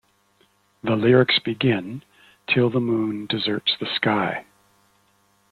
The lyrics begin: "Till the moon deserts the sky".